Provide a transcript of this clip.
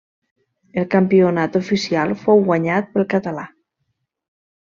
El campionat oficial fou guanyat pel Català.